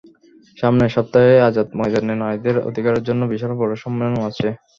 সামনের সপ্তাহে আজাদ ময়দানে নারীদের অধিকারের জন্য বিশাল বড় সম্মেলন আছে।